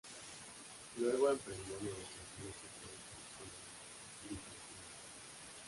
Luego emprendió negociaciones secretas con los bizantinos.